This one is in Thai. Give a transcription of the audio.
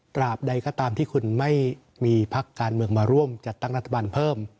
บใดก็ตามที่คุณไม่มีพักการเมืองมาร่วมจัดตั้งรัฐบาลเพิ่ม